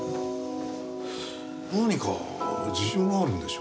何か事情があるんでしょうねえ。